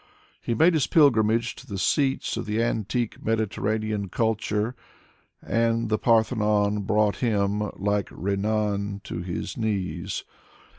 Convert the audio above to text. He made his. pilgrimage to the seats of the antique Mediterranean culture, and the Parthenon brought him, like Renan, to his knees.